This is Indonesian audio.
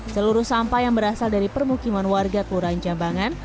seluruh sampah yang berasal dari permukiman warga kelurahan jambangan